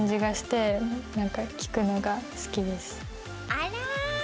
あら。